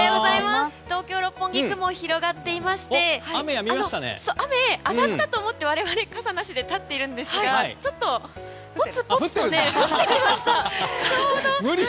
東京・六本木雲、広がっていまして雨上がったと思って我々傘なしで立っているんですがちょっとぽつぽつと降ってきました。